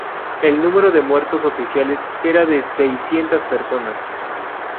El número de muertos oficiales era de seiscientas personas.